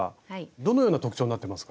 どのような特徴になってますか？